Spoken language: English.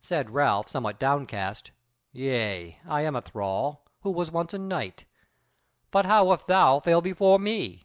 Said Ralph, somewhat downcast: "Yea, I am a thrall, who was once a knight. But how if thou fail before me?"